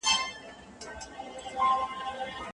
افغان لیکوالان خپلواکي سیاسي پریکړي نه سي کولای.